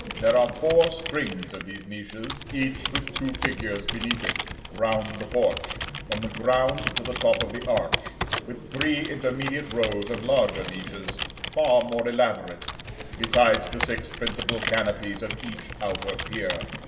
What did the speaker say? There are four strings of these niches (each with two figures beneath it) round the porch, from the ground to the top of the arch, with three intermediate rows of larger niches, far more elaborate; besides the six principal canopies of each outer pier.